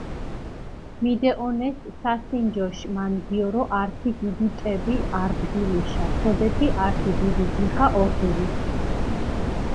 მიდეჸონეს სასინჯოშ მანგიორო ართი დიდი ტები არდგილიშა, სოდეთი ართი დიდი ჯიხა ორდჷნი.